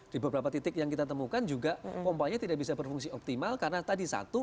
di beberapa titik yang kita temukan juga pompanya tidak bisa berfungsi optimal karena tadi satu